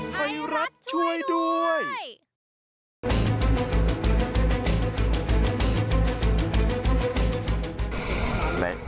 ไทยรัฐช่วยด้วย